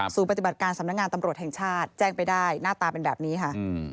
ปฏิบัติการสำนักงานตำรวจแห่งชาติแจ้งไปได้หน้าตาเป็นแบบนี้ค่ะ